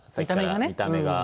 見た目がね。